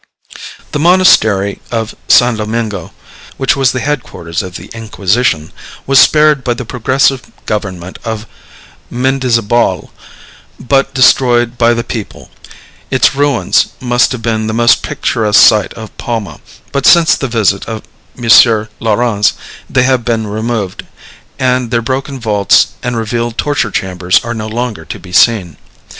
The monastery of San Domingo, which was the head quarters of the Inquisition, was spared by the progressive government of Mendizabal, but destroyed by the people. Its ruins must have been the most picturesque sight of Palma; but since the visit of M. Laurens they have been removed, and their broken vaults and revealed torture chambers are no longer to be seen.